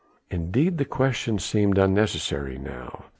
Indeed the question seemed unnecessary now.